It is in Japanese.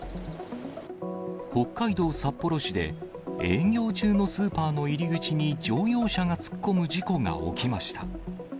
北海道札幌市で、営業中のスーパーの入り口に乗用車が突っ込む事故が起きました。